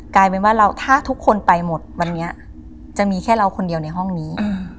กลายเป็นว่าเราถ้าทุกคนไปหมดวันนี้จะมีแค่เราคนเดียวในห้องนี้